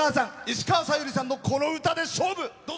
石川さゆりさんのこの歌で勝負。